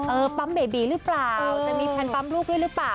ปั๊มเบบีหรือเปล่าจะมีแพลนปั๊มลูกด้วยหรือเปล่า